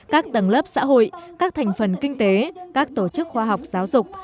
các tầng lớp xã hội các thành phần kinh tế các tổ chức khoa học giáo dục